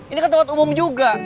ini kan tempat umum juga